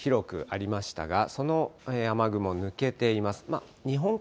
きのう、雷雨、広くありましたが、その雨雲、抜けています。